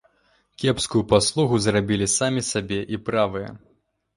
Кепскую паслугу зрабілі самі сабе і правыя.